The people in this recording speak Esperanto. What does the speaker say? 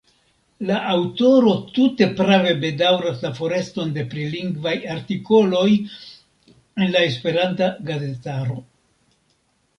La aŭtoro tute prave bedaŭras la foreston de prilingvaj artikoloj en la esperanta gazetaro.